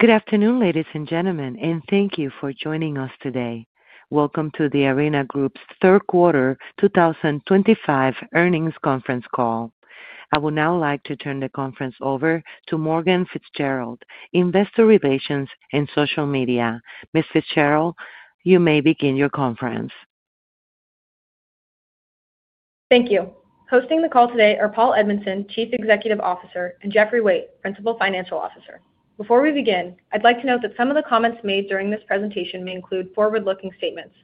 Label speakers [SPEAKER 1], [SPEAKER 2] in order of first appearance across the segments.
[SPEAKER 1] Good afternoon, ladies and gentlemen, and thank you for joining us today. Welcome to the Arena Group's Third Quarter 2025 Earnings Conference Call. I would now like to turn the conference over to Morgan Fitzgerald, Investor Relations and Social Media. Ms. Fitzgerald, you may begin your conference.
[SPEAKER 2] Thank you. Hosting the call today are Paul Edmondson, Chief Executive Officer, and Jeffrey Waite, Principal Financial Officer. Before we begin, I'd like to note that some of the comments made during this presentation may include forward-looking statements.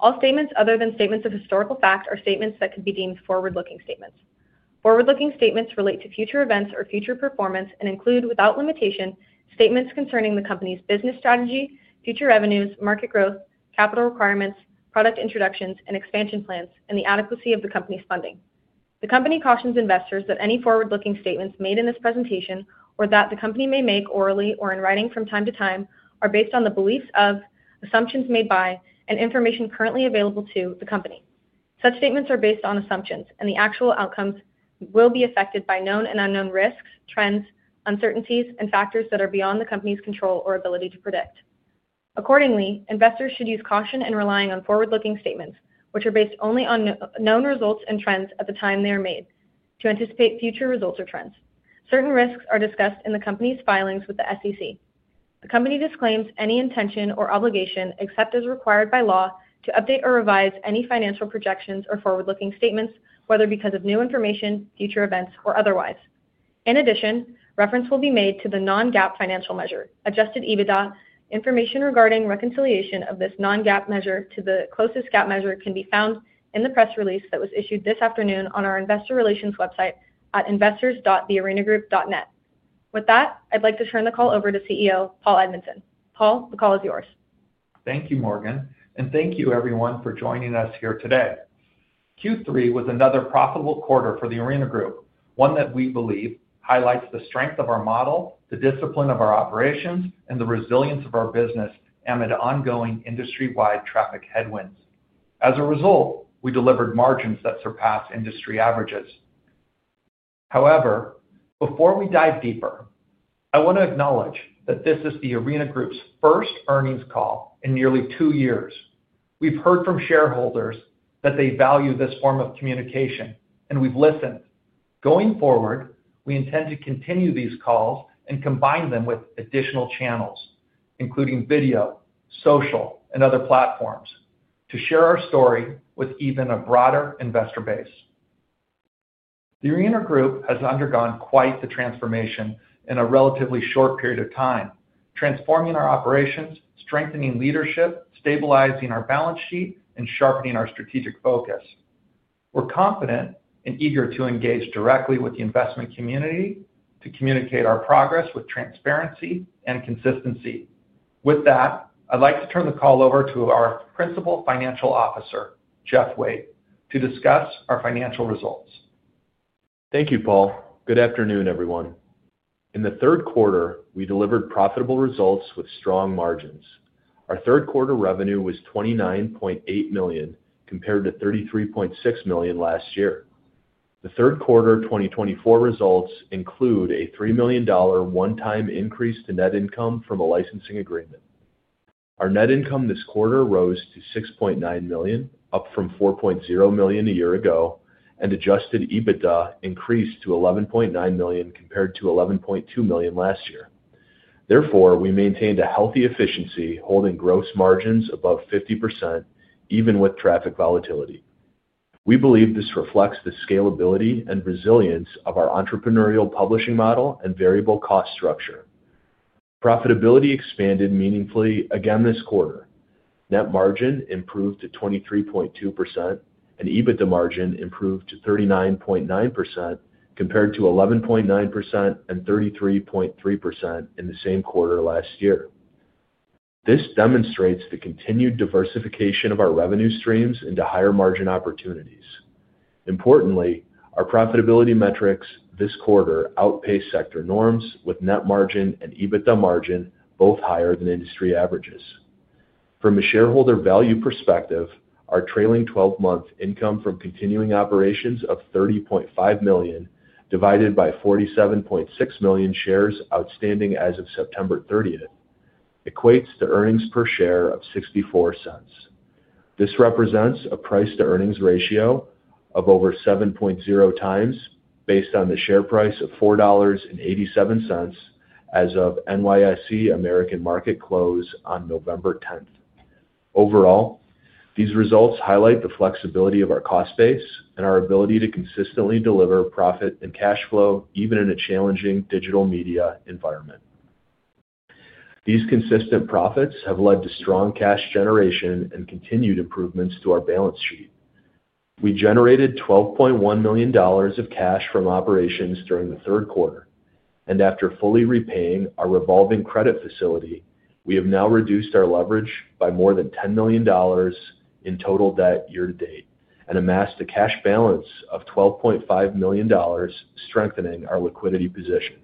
[SPEAKER 2] All statements other than statements of historical fact are statements that could be deemed forward-looking statements. Forward-looking statements relate to future events or future performance and include, without limitation, statements concerning the company's business strategy, future revenues, market growth, capital requirements, product introductions, and expansion plans, and the adequacy of the company's funding. The company cautions investors that any forward-looking statements made in this presentation, or that the company may make orally or in writing from time to time, are based on the beliefs of, assumptions made by, and information currently available to the company. Such statements are based on assumptions, and the actual outcomes will be affected by known and unknown risks, trends, uncertainties, and factors that are beyond the company's control or ability to predict. Accordingly, investors should use caution in relying on forward-looking statements, which are based only on known results and trends at the time they are made, to anticipate future results or trends. Certain risks are discussed in the company's filings with the SEC. The company disclaims any intention or obligation, except as required by law, to update or revise any financial projections or forward-looking statements, whether because of new information, future events, or otherwise. In addition, reference will be made to the non-GAAP financial measure, Adjusted EBITDA. Information regarding reconciliation of this non-GAAP measure to the closest GAAP measure can be found in the press release that was issued this afternoon on our Investor Relations website at investors.thearenagroup.net. With that, I'd like to turn the call over to CEO Paul Edmondson. Paul, the call is yours.
[SPEAKER 3] Thank you, Morgan, and thank you, everyone, for joining us here today. Q3 was another profitable quarter for the Arena Group, one that we believe highlights the strength of our model, the discipline of our operations, and the resilience of our business amid ongoing industry-wide traffic headwinds. As a result, we delivered margins that surpassed industry averages. However, before we dive deeper, I want to acknowledge that this is the Arena Group's first earnings call in nearly two years. We've heard from shareholders that they value this form of communication, and we've listened. Going forward, we intend to continue these calls and combine them with additional channels, including video, social, and other platforms, to share our story with even a broader investor base. The Arena Group has undergone quite the transformation in a relatively short period of time, transforming our operations, strengthening leadership, stabilizing our balance sheet, and sharpening our strategic focus. We're confident and eager to engage directly with the investment community to communicate our progress with transparency and consistency. With that, I'd like to turn the call over to our Principal Financial Officer, Jeff Waite, to discuss our financial results.
[SPEAKER 4] Thank you, Paul. Good afternoon, everyone. In the third quarter, we delivered profitable results with strong margins. Our third quarter revenue was $29.8 million compared to $33.6 million last year. The third quarter 2024 results include a $3 million one-time increase to net income from a licensing agreement. Our net income this quarter rose to $6.9 million, up from $4.0 million a year ago, and adjusted EBITDA increased to $11.9 million compared to $11.2 million last year. Therefore, we maintained a healthy efficiency, holding gross margins above 50%, even with traffic volatility. We believe this reflects the scalability and resilience of our entrepreneurial publishing model and variable cost structure. Profitability expanded meaningfully again this quarter. Net margin improved to 23.2%, and EBITDA margin improved to 39.9% compared to 11.9% and 33.3% in the same quarter last year. This demonstrates the continued diversification of our revenue streams into higher margin opportunities. Importantly, our profitability metrics this quarter outpaced sector norms, with net margin and EBITDA margin both higher than industry averages. From a shareholder value perspective, our trailing 12-month income from continuing operations of $30.5 million divided by 47.6 million shares outstanding as of September 30 equates to earnings per share of $0.64. This represents a price-to-earnings ratio of over 7.0 times, based on the share price of $4.87 as of NYSE American market close on November 10. Overall, these results highlight the flexibility of our cost base and our ability to consistently deliver profit and cash flow, even in a challenging digital media environment. These consistent profits have led to strong cash generation and continued improvements to our balance sheet. We generated $12.1 million of cash from operations during the third quarter, and after fully repaying our revolving credit facility, we have now reduced our leverage by more than $10 million in total debt year-to-date and amassed a cash balance of $12.5 million, strengthening our liquidity position.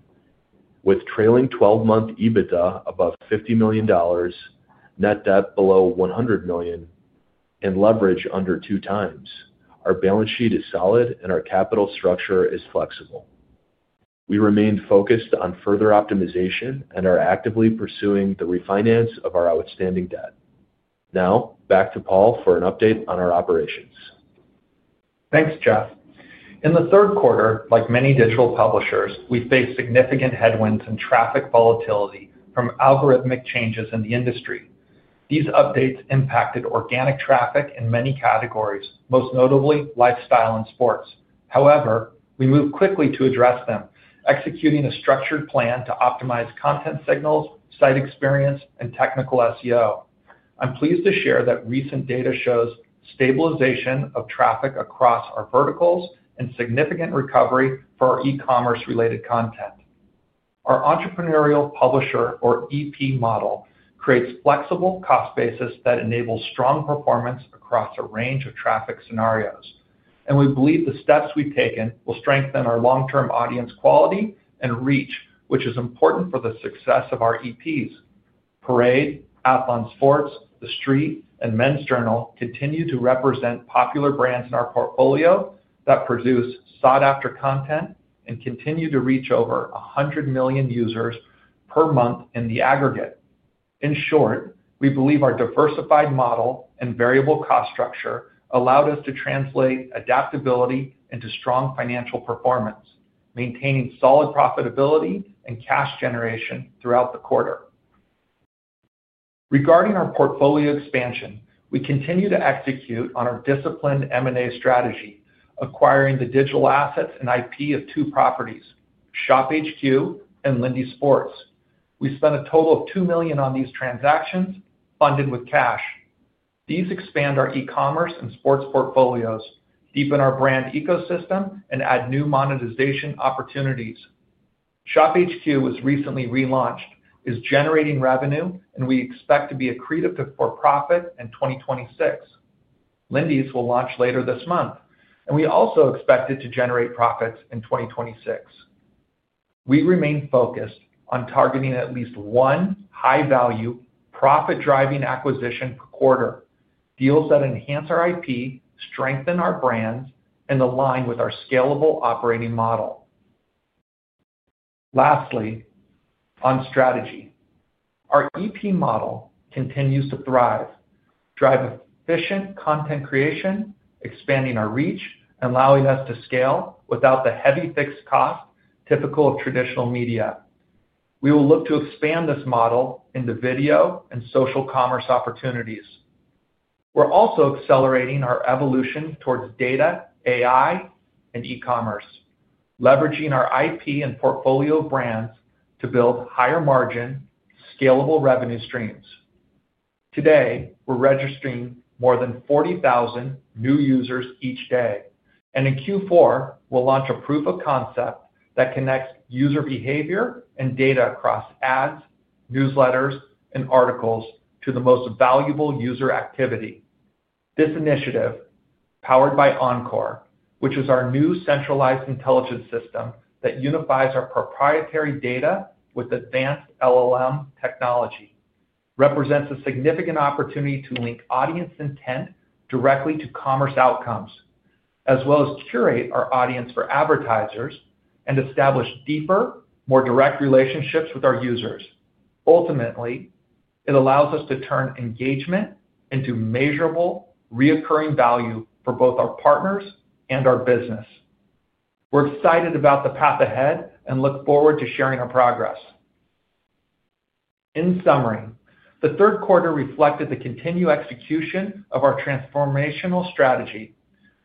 [SPEAKER 4] With trailing 12-month EBITDA above $50 million, net debt below $100 million, and leverage under two times, our balance sheet is solid and our capital structure is flexible. We remained focused on further optimization and are actively pursuing the refinance of our outstanding debt. Now, back to Paul for an update on our operations.
[SPEAKER 3] Thanks, Jeff. In the third quarter, like many digital publishers, we faced significant headwinds and traffic volatility from algorithmic changes in the industry. These updates impacted organic traffic in many categories, most notably lifestyle and sports. However, we moved quickly to address them, executing a structured plan to optimize content signals, site experience, and technical SEO. I'm pleased to share that recent data shows stabilization of traffic across our verticals and significant recovery for our e-commerce-related content. Our entrepreneurial publisher, or EP model, creates flexible cost bases that enable strong performance across a range of traffic scenarios, and we believe the steps we've taken will strengthen our long-term audience quality and reach, which is important for the success of our EPs. Parade, Athlon Sports, TheStreet, and Men's Journal continue to represent popular brands in our portfolio that produce sought-after content and continue to reach over 100 million users per month in the aggregate. In short, we believe our diversified model and variable cost structure allowed us to translate adaptability into strong financial performance, maintaining solid profitability and cash generation throughout the quarter. Regarding our portfolio expansion, we continue to execute on our disciplined M&A strategy, acquiring the digital assets and IP of two properties, ShopHQ and Lindy Sports. We spent a total of $2 million on these transactions, funded with cash. These expand our e-commerce and sports portfolios, deepen our brand ecosystem, and add new monetization opportunities. ShopHQ was recently relaunched, is generating revenue, and we expect to be accretive for profit in 2026. Lindy's will launch later this month, and we also expect it to generate profits in 2026. We remain focused on targeting at least one high-value, profit-driving acquisition per quarter, deals that enhance our IP, strengthen our brands, and align with our scalable operating model. Lastly, on strategy, our EP model continues to thrive, drive efficient content creation, expanding our reach, and allowing us to scale without the heavy fixed cost typical of traditional media. We will look to expand this model into video and social commerce opportunities. We're also accelerating our evolution towards data, AI, and e-commerce, leveraging our IP and portfolio brands to build higher-margin, scalable revenue streams. Today, we're registering more than 40,000 new users each day, and in Q4, we'll launch a proof of concept that connects user behavior and data across ads, newsletters, and articles to the most valuable user activity. This initiative, powered by Encore, which is our new centralized intelligence system that unifies our proprietary data with advanced LLM technology, represents a significant opportunity to link audience intent directly to commerce outcomes, as well as curate our audience for advertisers and establish deeper, more direct relationships with our users. Ultimately, it allows us to turn engagement into measurable, recurring value for both our partners and our business. We're excited about the path ahead and look forward to sharing our progress. In summary, the third quarter reflected the continued execution of our transformational strategy.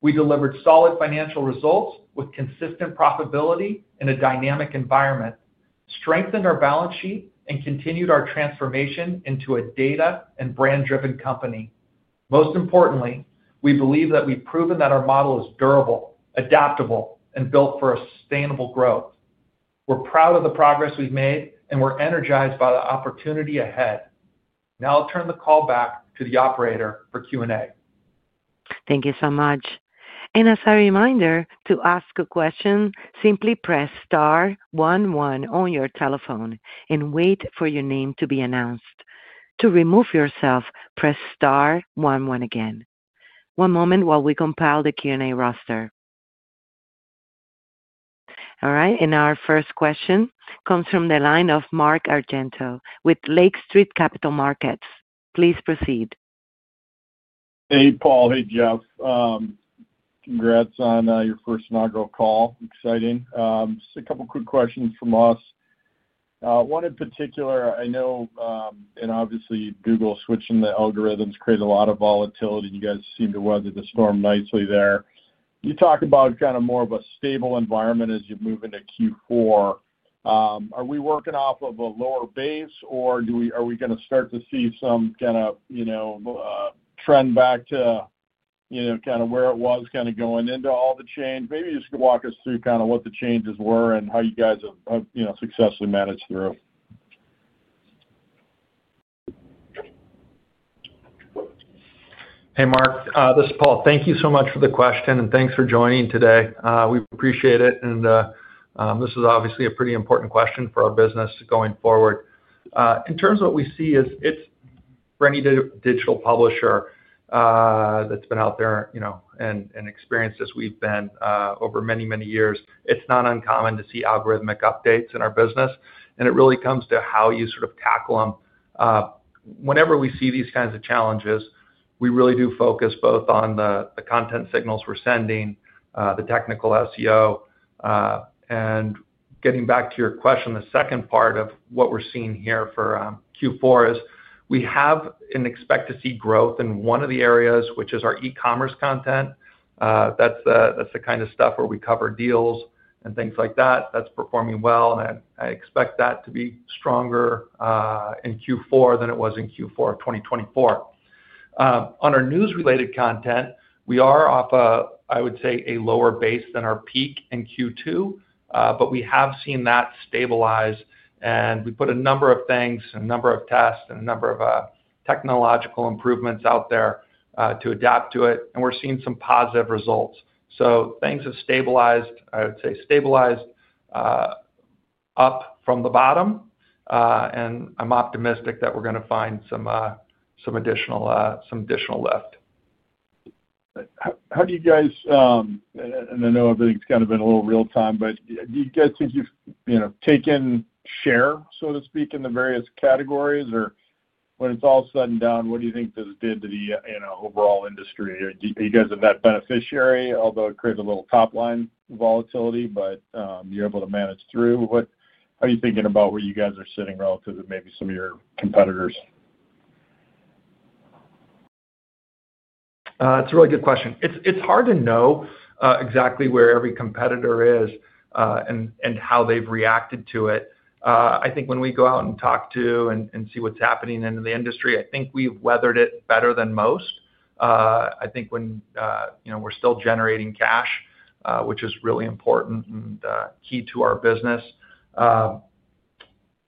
[SPEAKER 3] We delivered solid financial results with consistent profitability in a dynamic environment, strengthened our balance sheet, and continued our transformation into a data and brand-driven company. Most importantly, we believe that we've proven that our model is durable, adaptable, and built for sustainable growth. We're proud of the progress we've made, and we're energized by the opportunity ahead. Now, I'll turn the call back to the operator for Q&A.
[SPEAKER 1] Thank you so much. As a reminder, to ask a question, simply press star one one on your telephone and wait for your name to be announced. To remove yourself, press star one one again. One moment while we compile the Q&A roster. All right, our first question comes from the line of Mark Argento with Lake Street Capital Markets. Please proceed.
[SPEAKER 5] Hey, Paul. Hey, Jeff. Congrats on your first inaugural call. Exciting. Just a couple of quick questions from us. One in particular, I know, and obviously, Google switching the algorithms created a lot of volatility. You guys seem to weather the storm nicely there. You talk about kind of more of a stable environment as you move into Q4. Are we working off of a lower base, or are we going to start to see some kind of trend back to kind of where it was kind of going into all the change? Maybe just walk us through kind of what the changes were and how you guys have successfully managed through.
[SPEAKER 3] Hey, Mark. This is Paul. Thank you so much for the question, and thanks for joining today. We appreciate it, and this is obviously a pretty important question for our business going forward. In terms of what we see, for any digital publisher that's been out there and experienced as we've been over many, many years, it's not uncommon to see algorithmic updates in our business, and it really comes to how you sort of tackle them. Whenever we see these kinds of challenges, we really do focus both on the content signals we're sending, the technical SEO, and getting back to your question, the second part of what we're seeing here for Q4 is we have an expectancy growth in one of the areas, which is our e-commerce content. That's the kind of stuff where we cover deals and things like that. That's performing well, and I expect that to be stronger in Q4 than it was in Q4 of 2024. On our news-related content, we are off of, I would say, a lower base than our peak in Q2, but we have seen that stabilize, and we put a number of things, a number of tests, and a number of technological improvements out there to adapt to it, and we're seeing some positive results. Things have stabilized, I would say stabilized up from the bottom, and I'm optimistic that we're going to find some additional lift.
[SPEAKER 5] How do you guys, and I know everything's kind of been a little real-time, but do you guys think you've taken share, so to speak, in the various categories? Or when it's all said and done, what do you think this did to the overall industry? Are you guys a net beneficiary, although it created a little top-line volatility, but you're able to manage through? How are you thinking about where you guys are sitting relative to maybe some of your competitors?
[SPEAKER 3] It's a really good question. It's hard to know exactly where every competitor is and how they've reacted to it. I think when we go out and talk to and see what's happening in the industry, I think we've weathered it better than most. I think we're still generating cash, which is really important and key to our business.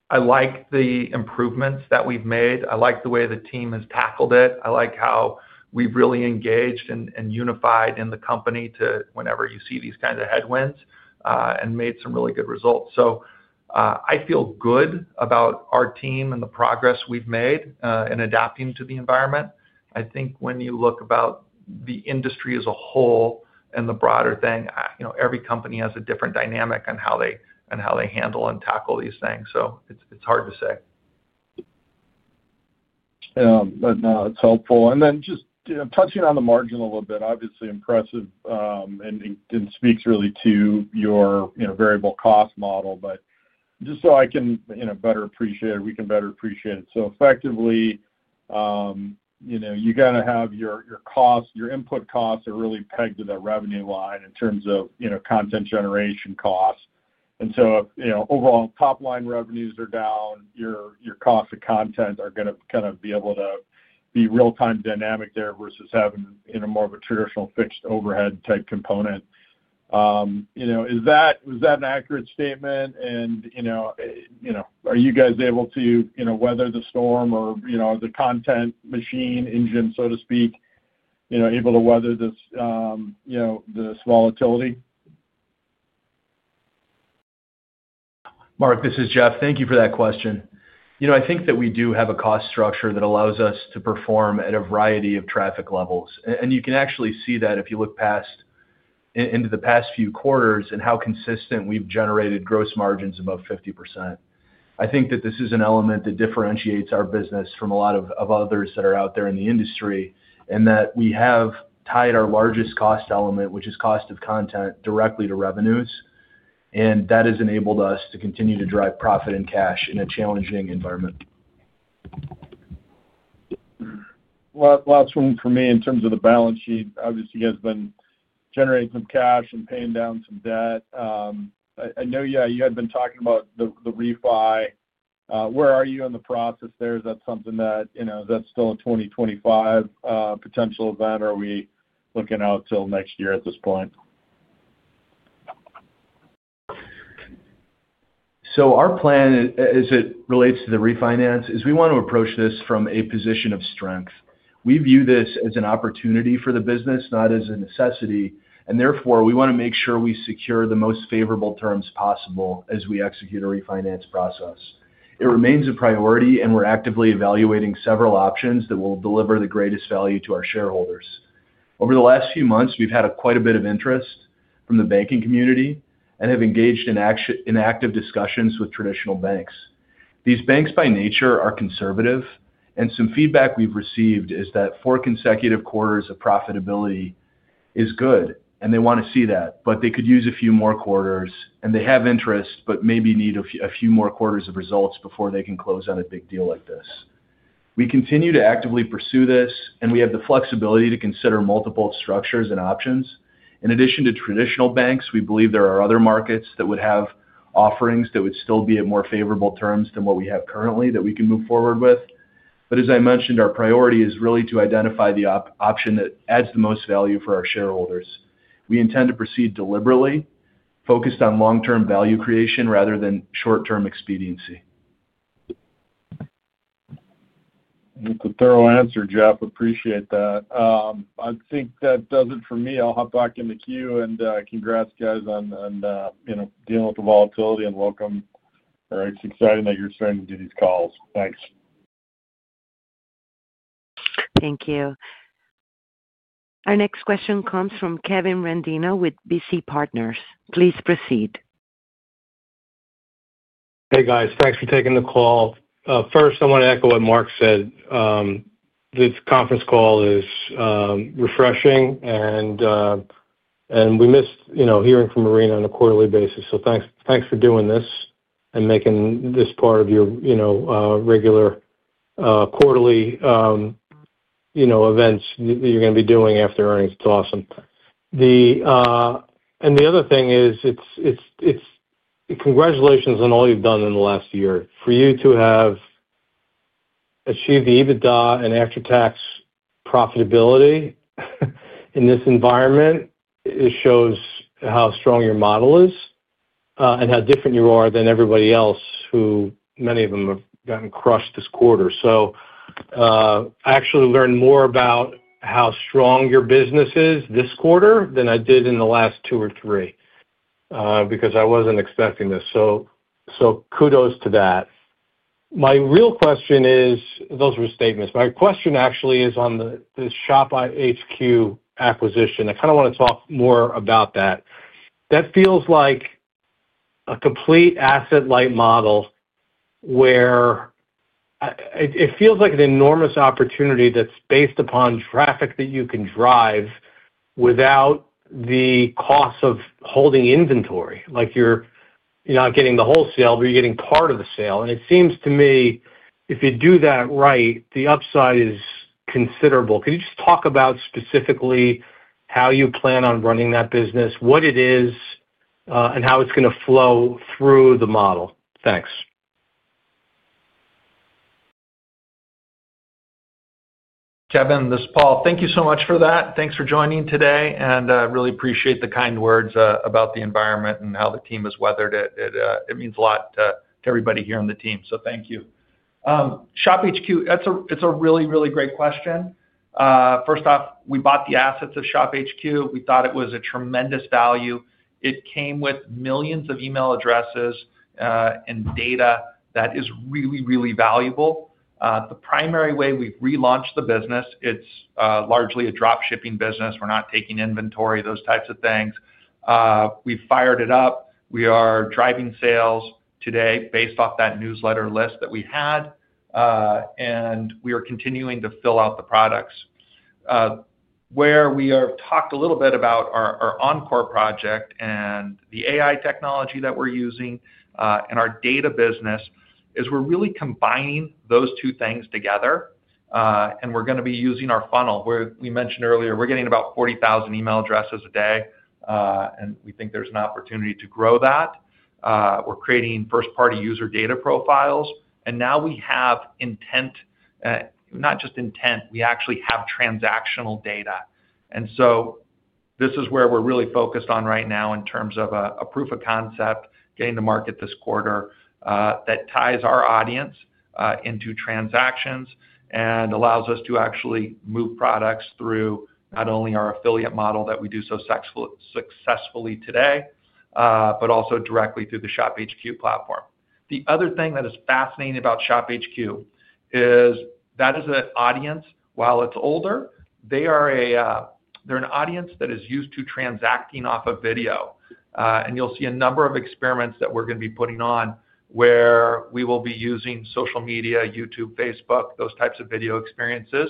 [SPEAKER 3] I like the improvements that we've made. I like the way the team has tackled it. I like how we've really engaged and unified in the company whenever you see these kinds of headwinds and made some really good results. I feel good about our team and the progress we've made in adapting to the environment. I think when you look at the industry as a whole and the broader thing, every company has a different dynamic on how they handle and tackle these things. It's hard to say.
[SPEAKER 5] No, it's helpful. And then just touching on the margin a little bit, obviously impressive and speaks really to your variable cost model, but just so I can better appreciate it, we can better appreciate it. So effectively, you got to have your costs, your input costs are really pegged to the revenue line in terms of content generation costs. And so overall, top-line revenues are down, your cost of content are going to kind of be able to be real-time dynamic there versus having more of a traditional fixed overhead-type component. Was that an accurate statement? And are you guys able to weather the storm or the content machine engine, so to speak, able to weather this volatility?
[SPEAKER 4] Mark, this is Jeff. Thank you for that question. I think that we do have a cost structure that allows us to perform at a variety of traffic levels. You can actually see that if you look into the past few quarters and how consistent we've generated gross margins above 50%. I think that this is an element that differentiates our business from a lot of others that are out there in the industry and that we have tied our largest cost element, which is cost of content, directly to revenues. That has enabled us to continue to drive profit and cash in a challenging environment.
[SPEAKER 5] For me, in terms of the balance sheet, obviously, you guys have been generating some cash and paying down some debt. I know, yeah, you had been talking about the refi. Where are you in the process there? Is that something that is still a 2025 potential event, or are we looking out till next year at this point?
[SPEAKER 4] Our plan, as it relates to the refinance, is we want to approach this from a position of strength. We view this as an opportunity for the business, not as a necessity. Therefore, we want to make sure we secure the most favorable terms possible as we execute a refinance process. It remains a priority, and we're actively evaluating several options that will deliver the greatest value to our shareholders. Over the last few months, we've had quite a bit of interest from the banking community and have engaged in active discussions with traditional banks. These banks, by nature, are conservative, and some feedback we've received is that four consecutive quarters of profitability is good, and they want to see that, but they could use a few more quarters, and they have interest, but maybe need a few more quarters of results before they can close on a big deal like this. We continue to actively pursue this, and we have the flexibility to consider multiple structures and options. In addition to traditional banks, we believe there are other markets that would have offerings that would still be at more favorable terms than what we have currently that we can move forward with. As I mentioned, our priority is really to identify the option that adds the most value for our shareholders. We intend to proceed deliberately, focused on long-term value creation rather than short-term expediency. That's a thorough answer, Jeff. Appreciate that. I think that does it for me. I'll hop back in the queue and congrats guys on dealing with the volatility and welcome. All right. It's exciting that you're starting to do these calls. Thanks.
[SPEAKER 1] Thank you. Our next question comes from Kevin Randino with BC Partners. Please proceed. Hey, guys. Thanks for taking the call. First, I want to echo what Mark said. This conference call is refreshing, and we missed hearing from Marina on a quarterly basis. Thanks for doing this and making this part of your regular quarterly events that you're going to be doing after earnings. It's awesome. The other thing is, congratulations on all you've done in the last year. For you to have achieved the EBITDA and after-tax profitability in this environment, it shows how strong your model is and how different you are than everybody else who, many of them, have gotten crushed this quarter. I actually learned more about how strong your business is this quarter than I did in the last two or three because I wasn't expecting this. Kudos to that. My real question is, those were statements. My question actually is on the ShopHQ acquisition. I kind of want to talk more about that. That feels like a complete asset-light model where it feels like an enormous opportunity that's based upon traffic that you can drive without the cost of holding inventory. You're not getting the wholesale, but you're getting part of the sale. It seems to me, if you do that right, the upside is considerable. Can you just talk about specifically how you plan on running that business, what it is, and how it's going to flow through the model? Thanks.
[SPEAKER 3] Kevin, this is Paul. Thank you so much for that. Thanks for joining today, and I really appreciate the kind words about the environment and how the team has weathered it. It means a lot to everybody here on the team, so thank you. ShopHQ, it's a really, really great question. First off, we bought the assets of ShopHQ. We thought it was a tremendous value. It came with millions of email addresses and data that is really, really valuable. The primary way we've relaunched the business, it's largely a drop-shipping business. We're not taking inventory, those types of things. We've fired it up. We are driving sales today based off that newsletter list that we had, and we are continuing to fill out the products. Where we have talked a little bit about our Encore project and the AI technology that we're using in our data business is we're really combining those two things together, and we're going to be using our funnel. We mentioned earlier, we're getting about 40,000 email addresses a day, and we think there's an opportunity to grow that. We're creating first-party user data profiles, and now we have intent, not just intent, we actually have transactional data. This is where we're really focused on right now in terms of a proof of concept getting to market this quarter that ties our audience into transactions and allows us to actually move products through not only our affiliate model that we do so successfully today, but also directly through the ShopHQ platform. The other thing that is fascinating about ShopHQ is that as an audience, while it's older, they're an audience that is used to transacting off of video. You'll see a number of experiments that we're going to be putting on where we will be using social media, YouTube, Facebook, those types of video experiences,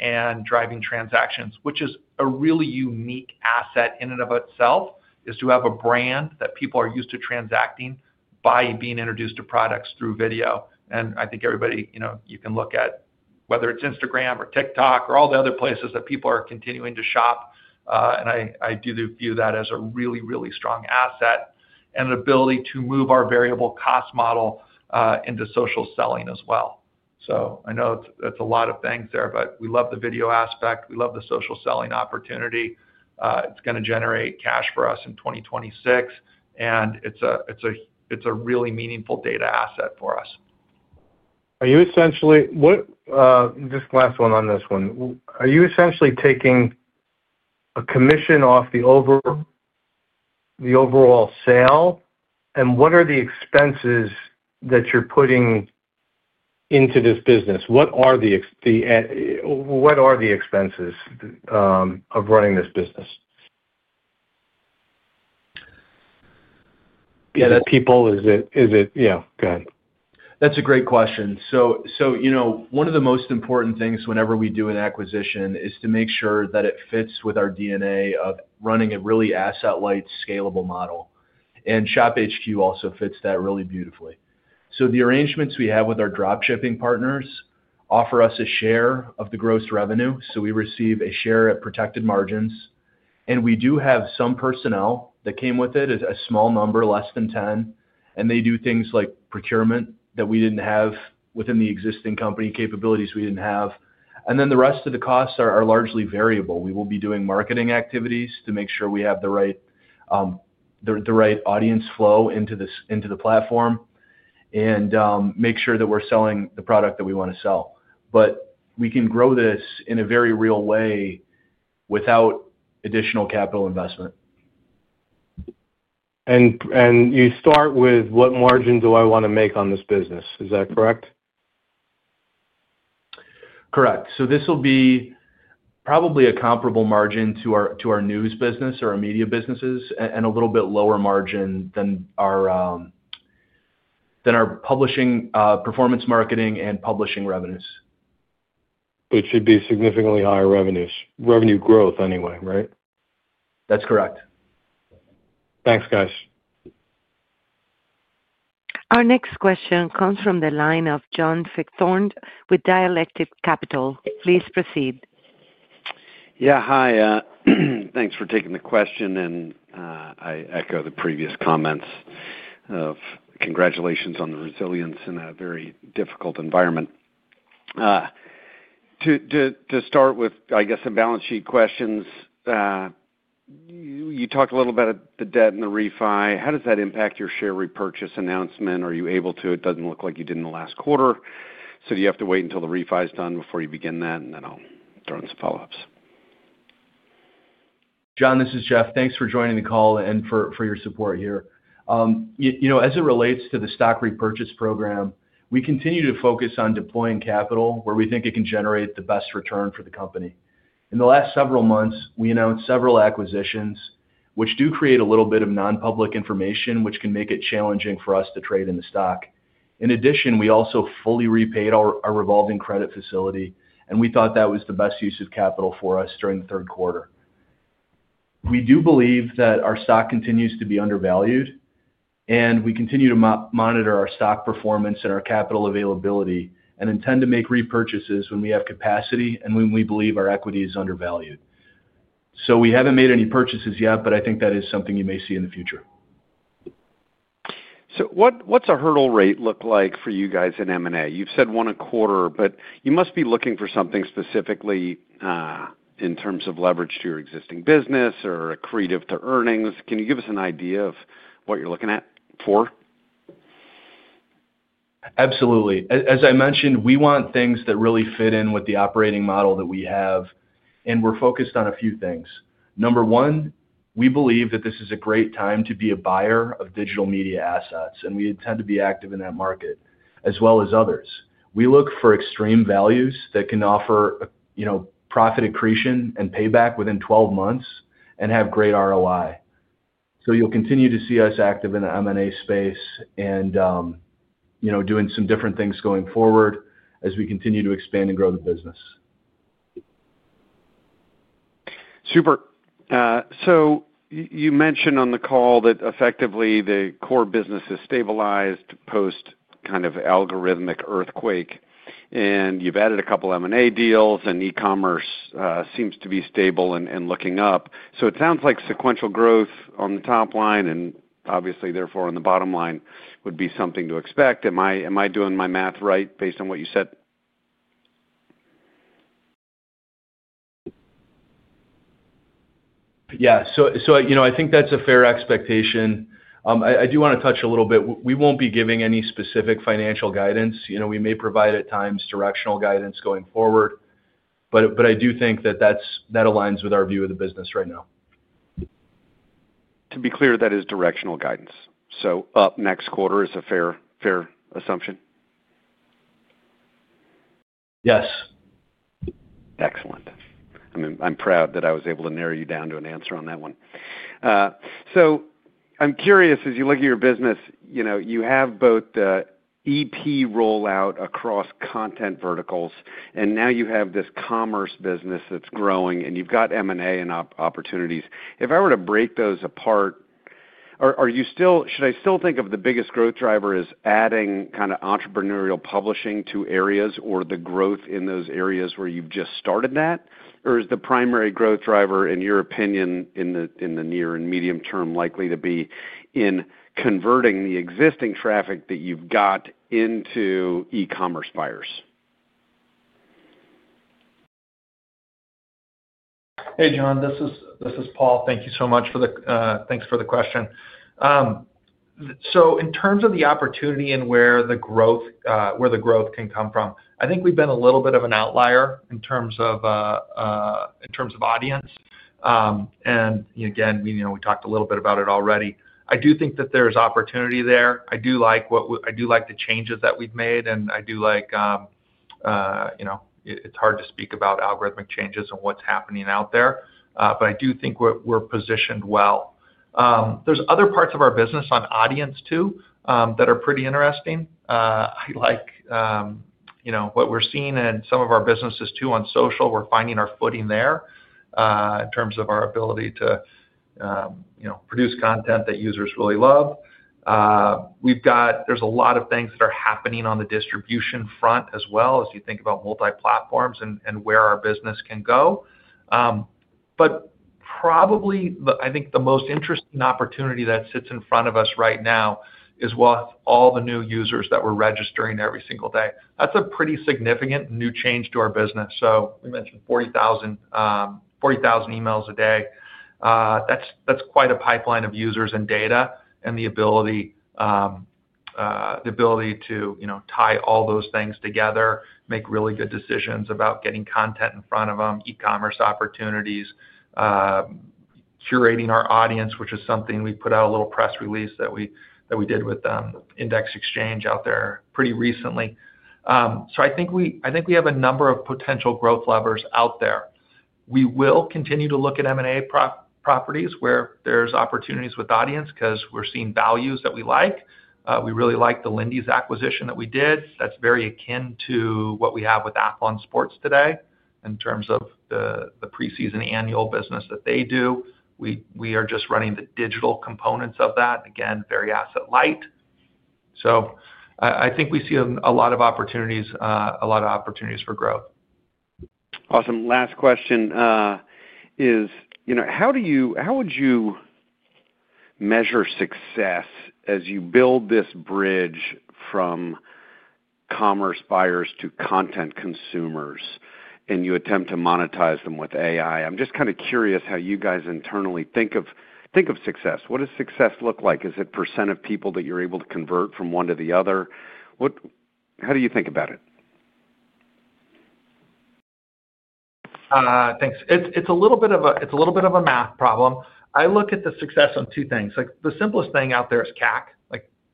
[SPEAKER 3] and driving transactions, which is a really unique asset in and of itself, to have a brand that people are used to transacting by being introduced to products through video. I think everybody, you can look at whether it's Instagram or TikTok or all the other places that people are continuing to shop, and I do view that as a really, really strong asset and an ability to move our variable cost model into social selling as well. I know it's a lot of things there, but we love the video aspect. We love the social selling opportunity. It's going to generate cash for us in 2026, and it's a really meaningful data asset for us. Are you essentially, this last one on this one, are you essentially taking a commission off the overall sale, and what are the expenses that you're putting into this business? What are the expenses of running this business? Yeah, that people, is it? Yeah, go ahead.
[SPEAKER 4] That's a great question. One of the most important things whenever we do an acquisition is to make sure that it fits with our DNA of running a really asset-light, scalable model. ShopHQ also fits that really beautifully. The arrangements we have with our drop-shipping partners offer us a share of the gross revenue, so we receive a share at protected margins. We do have some personnel that came with it, a small number, less than 10, and they do things like procurement that we did not have within the existing company, capabilities we did not have. The rest of the costs are largely variable. We will be doing marketing activities to make sure we have the right audience flow into the platform and make sure that we are selling the product that we want to sell. We can grow this in a very real way without additional capital investment. You start with, "What margin do I want to make on this business?" Is that correct? Correct. This will be probably a comparable margin to our news business or our media businesses and a little bit lower margin than our performance marketing and publishing revenues. Which should be significantly higher revenue growth anyway, right? That's correct. Thanks, guys.
[SPEAKER 1] Our next question comes from the line of John Fickthorn with Dialectic Capital. Please proceed.
[SPEAKER 6] Yeah, hi. Thanks for taking the question, and I echo the previous comments of congratulations on the resilience in a very difficult environment. To start with, I guess, some balance sheet questions. You talked a little about the debt and the refi. How does that impact your share repurchase announcement? Are you able to? It doesn't look like you did in the last quarter. Do you have to wait until the refi is done before you begin that? I will throw in some follow-ups.
[SPEAKER 4] John, this is Jeff. Thanks for joining the call and for your support here. As it relates to the stock repurchase program, we continue to focus on deploying capital where we think it can generate the best return for the company. In the last several months, we announced several acquisitions which do create a little bit of non-public information, which can make it challenging for us to trade in the stock. In addition, we also fully repaid our revolving credit facility, and we thought that was the best use of capital for us during the third quarter. We do believe that our stock continues to be undervalued, and we continue to monitor our stock performance and our capital availability and intend to make repurchases when we have capacity and when we believe our equity is undervalued. We haven't made any purchases yet, but I think that is something you may see in the future.
[SPEAKER 6] What's a hurdle rate look like for you guys in M&A? You've said one a quarter, but you must be looking for something specifically in terms of leverage to your existing business or accretive to earnings. Can you give us an idea of what you're looking at for?
[SPEAKER 4] Absolutely. As I mentioned, we want things that really fit in with the operating model that we have, and we're focused on a few things. Number one, we believe that this is a great time to be a buyer of digital media assets, and we intend to be active in that market as well as others. We look for extreme values that can offer profit accretion and payback within 12 months and have great ROI. You will continue to see us active in the M&A space and doing some different things going forward as we continue to expand and grow the business.
[SPEAKER 6] Super. You mentioned on the call that effectively the core business is stabilized post kind of algorithmic earthquake, and you've added a couple of M&A deals, and e-commerce seems to be stable and looking up. It sounds like sequential growth on the top line and obviously, therefore, on the bottom line would be something to expect. Am I doing my math right based on what you said?
[SPEAKER 4] Yeah. I think that's a fair expectation. I do want to touch a little bit. We won't be giving any specific financial guidance. We may provide at times directional guidance going forward, but I do think that that aligns with our view of the business right now.
[SPEAKER 6] To be clear, that is directional guidance. So up next quarter is a fair assumption?
[SPEAKER 4] Yes.
[SPEAKER 6] Excellent. I'm proud that I was able to narrow you down to an answer on that one. I'm curious, as you look at your business, you have both EP rollout across content verticals, and now you have this commerce business that's growing, and you've got M&A and opportunities. If I were to break those apart, should I still think of the biggest growth driver as adding kind of entrepreneurial publishing to areas or the growth in those areas where you've just started that? Is the primary growth driver, in your opinion, in the near and medium term, likely to be in converting the existing traffic that you've got into e-commerce buyers?
[SPEAKER 3] Hey, John. This is Paul. Thank you so much for the question. In terms of the opportunity and where the growth can come from, I think we've been a little bit of an outlier in terms of audience. Again, we talked a little bit about it already. I do think that there's opportunity there. I do like the changes that we've made, and I do like—it's hard to speak about algorithmic changes and what's happening out there, but I do think we're positioned well. There are other parts of our business on audience too that are pretty interesting. I like what we're seeing in some of our businesses too on social. We're finding our footing there in terms of our ability to produce content that users really love. There's a lot of things that are happening on the distribution front as well as you think about multi-platforms and where our business can go. Probably, I think the most interesting opportunity that sits in front of us right now is with all the new users that we're registering every single day. That's a pretty significant new change to our business. We mentioned 40,000 emails a day. That's quite a pipeline of users and data and the ability to tie all those things together, make really good decisions about getting content in front of them, e-commerce opportunities, curating our audience, which is something we put out a little press release that we did with Index Exchange out there pretty recently. I think we have a number of potential growth levers out there. We will continue to look at M&A properties where there's opportunities with audience because we're seeing values that we like. We really like the Lindy Sports acquisition that we did. That's very akin to what we have with Athlon Sports today in terms of the preseason annual business that they do. We are just running the digital components of that, again, very asset-light. I think we see a lot of opportunities, a lot of opportunities for growth.
[SPEAKER 6] Awesome. Last question is, how would you measure success as you build this bridge from commerce buyers to content consumers and you attempt to monetize them with AI? I'm just kind of curious how you guys internally think of success. What does success look like? Is it a % of people that you're able to convert from one to the other? How do you think about it?
[SPEAKER 3] Thanks. It's a little bit of a math problem. I look at the success on two things. The simplest thing out there is CAK.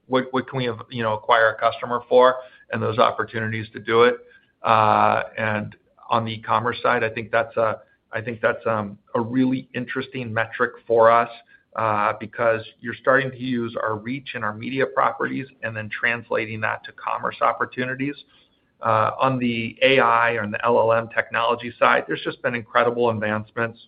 [SPEAKER 3] What can we acquire a customer for and those opportunities to do it? On the e-commerce side, I think that's a really interesting metric for us because you're starting to use our reach and our media properties and then translating that to commerce opportunities. On the AI or on the LLM technology side, there's just been incredible advancements.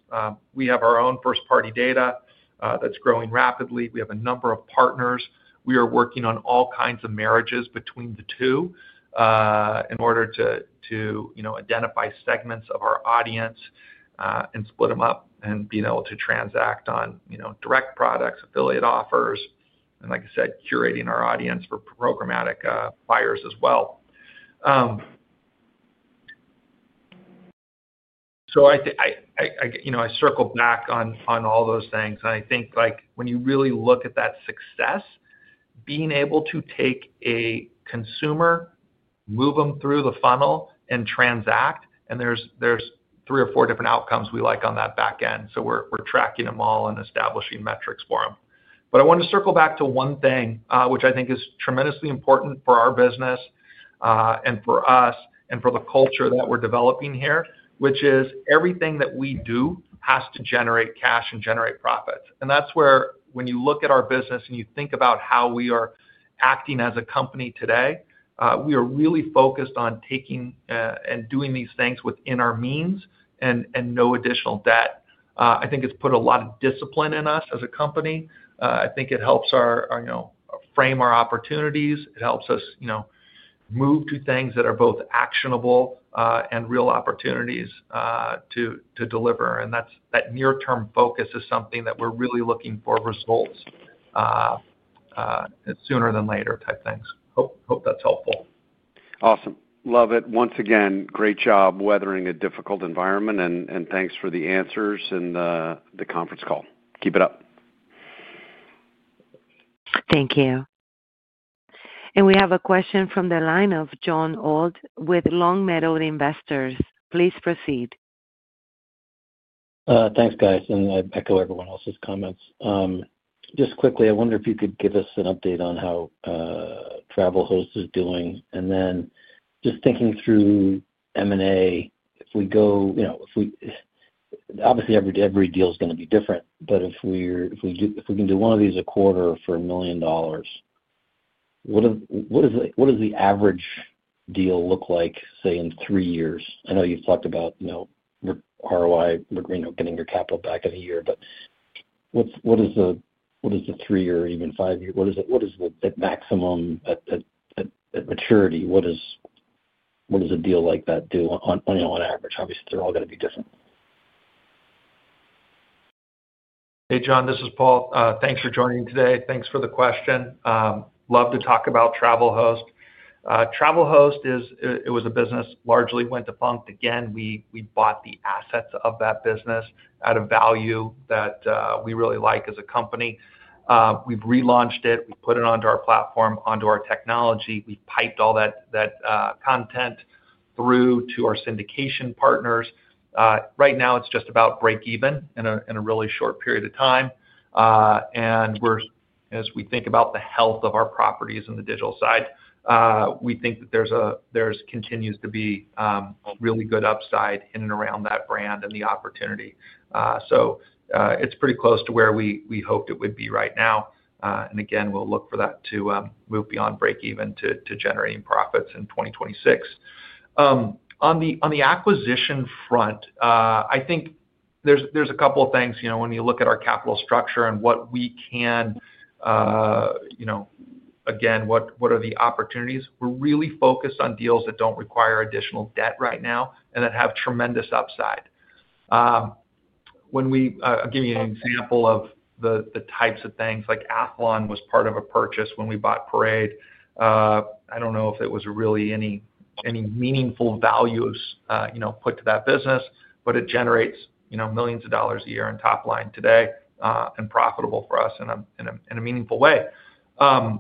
[SPEAKER 3] We have our own first-party data that's growing rapidly. We have a number of partners. We are working on all kinds of marriages between the two in order to identify segments of our audience and split them up and being able to transact on direct products, affiliate offers, and like I said, curating our audience for programmatic buyers as well. I circle back on all those things. I think when you really look at that success, being able to take a consumer, move them through the funnel, and transact, and there are three or four different outcomes we like on that back end. We are tracking them all and establishing metrics for them. I want to circle back to one thing which I think is tremendously important for our business and for us and for the culture that we are developing here, which is everything that we do has to generate cash and generate profits. That is where when you look at our business and you think about how we are acting as a company today, we are really focused on taking and doing these things within our means and no additional debt. I think it has put a lot of discipline in us as a company. I think it helps frame our opportunities. It helps us move to things that are both actionable and real opportunities to deliver. That near-term focus is something that we're really looking for results sooner than later type things. Hope that's helpful.
[SPEAKER 6] Awesome. Love it. Once again, great job weathering a difficult environment, and thanks for the answers and the conference call. Keep it up.
[SPEAKER 1] Thank you. We have a question from the line of Jon Old with Longmeadow Investors. Please proceed.
[SPEAKER 7] Thanks, guys. I echo everyone else's comments. Just quickly, I wonder if you could give us an update on how TravelHost is doing. Just thinking through M&A, if we go obviously, every deal is going to be different, but if we can do one of these a quarter for $1 million, what does the average deal look like, say, in three years? I know you've talked about ROI, getting your capital back in a year, but what is the three-year, even five-year? What is the maximum at maturity? What does a deal like that do on average? Obviously, they're all going to be different.
[SPEAKER 3] Hey, Jon. This is Paul. Thanks for joining today. Thanks for the question. Love to talk about TravelHost. TravelHost, it was a business largely went defunct. Again, we bought the assets of that business at a value that we really like as a company. We've relaunched it. We've put it onto our platform, onto our technology. We've piped all that content through to our syndication partners. Right now, it's just about break-even in a really short period of time. As we think about the health of our properties and the digital side, we think that there continues to be really good upside in and around that brand and the opportunity. It's pretty close to where we hoped it would be right now. Again, we'll look for that to move beyond break-even to generating profits in 2026. On the acquisition front, I think there's a couple of things. When you look at our capital structure and what we can, again, what are the opportunities? We're really focused on deals that don't require additional debt right now and that have tremendous upside. I'll give you an example of the types of things. Athlon was part of a purchase when we bought Parade. I don't know if it was really any meaningful value put to that business, but it generates millions of dollars a year in top line today and profitable for us in a meaningful way. We are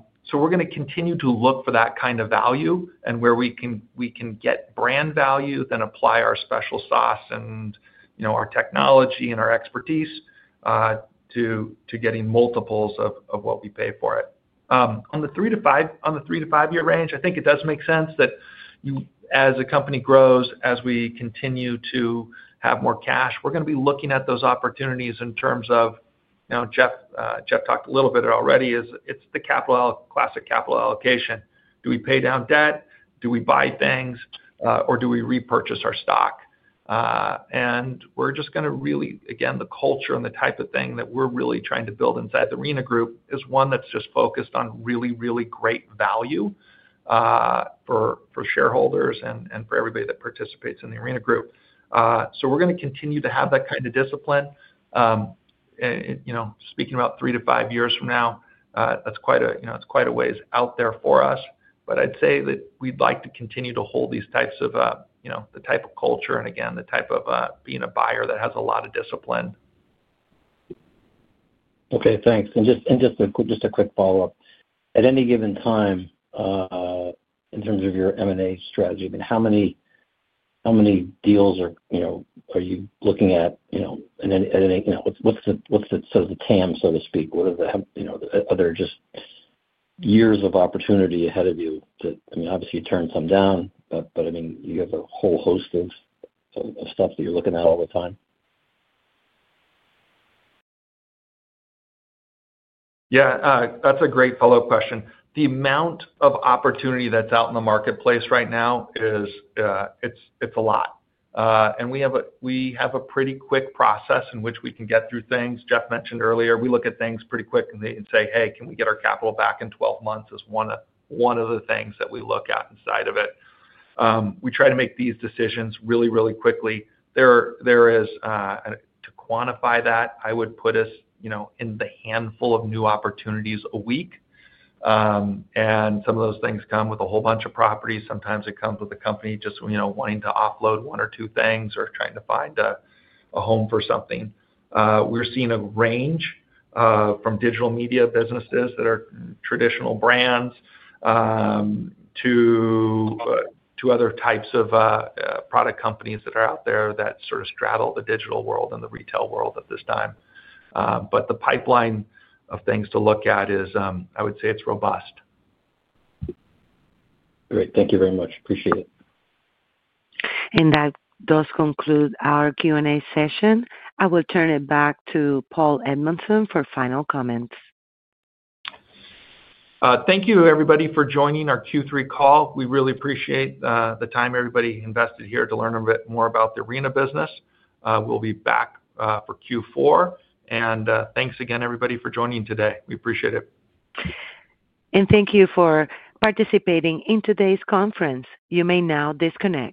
[SPEAKER 3] going to continue to look for that kind of value and where we can get brand value, then apply our special sauce and our technology and our expertise to getting multiples of what we pay for it. On the three to five-year range, I think it does make sense that as a company grows, as we continue to have more cash, we're going to be looking at those opportunities in terms of Jeff talked a little bit already. It's the classic capital allocation. Do we pay down debt? Do we buy things? Or do we repurchase our stock? We're just going to really, again, the culture and the type of thing that we're really trying to build inside the Arena Group is one that's just focused on really, really great value for shareholders and for everybody that participates in the Arena Group. We're going to continue to have that kind of discipline. Speaking about three to five years from now, that's quite a ways out there for us. I'd say that we'd like to continue to hold these types of the type of culture and, again, the type of being a buyer that has a lot of discipline.
[SPEAKER 7] Okay. Thanks. Just a quick follow-up. At any given time, in terms of your M&A strategy, how many deals are you looking at? What's the sort of the TAM, so to speak? What are the other just years of opportunity ahead of you? Obviously, you turned some down, but you have a whole host of stuff that you're looking at all the time.
[SPEAKER 3] Yeah. That's a great follow-up question. The amount of opportunity that's out in the marketplace right now, it's a lot. We have a pretty quick process in which we can get through things. Jeff mentioned earlier, we look at things pretty quick and say, "Hey, can we get our capital back in 12 months?" is one of the things that we look at inside of it. We try to make these decisions really, really quickly. To quantify that, I would put us in the handful of new opportunities a week. Some of those things come with a whole bunch of properties. Sometimes it comes with a company just wanting to offload one or two things or trying to find a home for something. We're seeing a range from digital media businesses that are traditional brands to other types of product companies that are out there that sort of straddle the digital world and the retail world at this time. The pipeline of things to look at is, I would say, it's robust.
[SPEAKER 7] Great. Thank you very much. Appreciate it.
[SPEAKER 1] That does conclude our Q&A session. I will turn it back to Paul Edmondson for final comments.
[SPEAKER 3] Thank you, everybody, for joining our Q3 call. We really appreciate the time everybody invested here to learn a bit more about the Arena business. We'll be back for Q4. Thank you again, everybody, for joining today. We appreciate it.
[SPEAKER 1] Thank you for participating in today's conference. You may now disconnect.